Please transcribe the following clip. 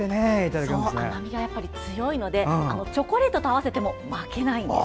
甘みが強いのでチョコレートと合わせても負けないんです。